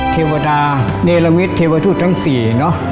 เทวดาเนรมิตเทวทูตทั้ง๔เนอะ